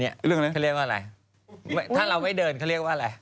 เรื่องนั้นเขาเรียกว่าอะไรถ้าเราไม่เดินเขาเรียกว่าอะไร